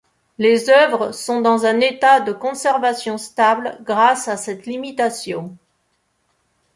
Les œuvres sont dans un état de conservation stable grâce à cette limitation.